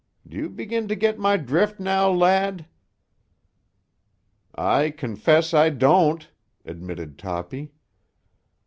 Do you begin to get my drift now, lad?" "I confess I don't," admitted Toppy.